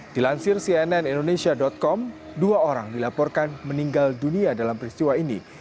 dilansir cnn indonesia com dua orang dilaporkan meninggal dunia dalam peristiwa ini